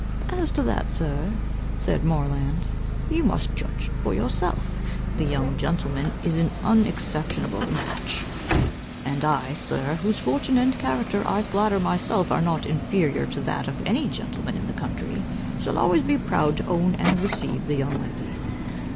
"As to that, sir," said Moreland, "you must judge for yourself. The young gentleman is an unexceptionable match, and I, sir, whose fortune and character I flatter myself are not inferior to that of any gentleman in the county, shall always be proud to own and receive the young lady."